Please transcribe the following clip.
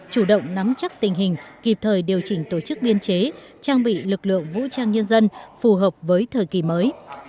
chủ động nắm chắc tình hình kịp thời điều chỉnh tổ chức biên chế trang bị lực lượng vũ trang nhân dân phù hợp với thời kỳ mới